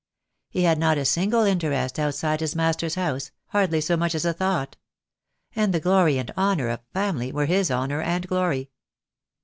He had not a single interest outside his master's house, hardly so much as a thought; and the glory and honour of "family" were his honour and glory.